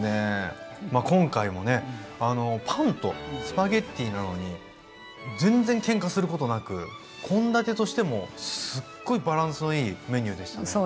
今回もねあのパンとスパゲッティなのに全然けんかすることなく献立としてもすっごいバランスのいいメニューでしたね。